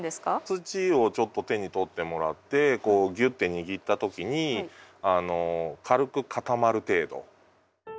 土をちょっと手に取ってもらってこうぎゅって握った時に軽く固まる程度。